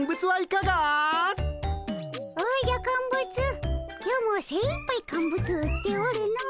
おじゃカンブツ今日もせいいっぱい乾物売っておるの。